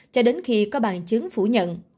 cho đến khi có bằng chứng phủ nhận